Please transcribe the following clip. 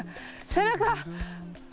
背中？